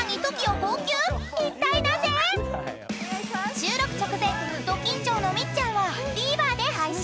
［収録直前ド緊張のみっちゃんはＴＶｅｒで配信］